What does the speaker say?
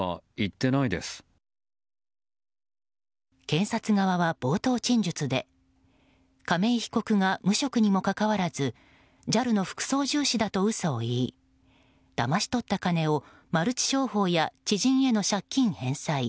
検察側は、冒頭陳述で亀井被告が無職にもかかわらずＪＡＬの副操縦士だと嘘を言いだまし取った金をマルチ商法や知人への借金返済